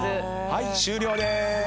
はい終了です。